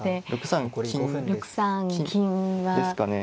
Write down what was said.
６三金ですかね。